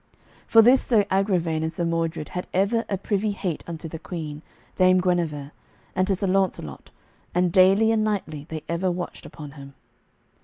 For this Sir Agravaine and Sir Mordred had ever a privy hate unto the Queen, Dame Guenever, and to Sir Launcelot, and daily and nightly they ever watched upon him.